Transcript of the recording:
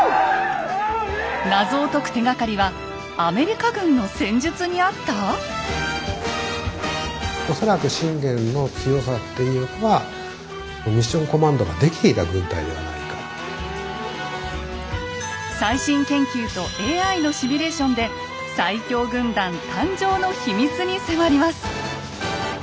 謎を解く手がかりはアメリカ軍の戦術にあった⁉恐らく信玄の強さっていうのは最新研究とＡＩのシミュレーションで最強軍団誕生の秘密に迫ります。